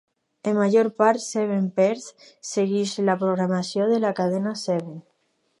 En major part, Seven Perth segueix la programació de la cadena Seven.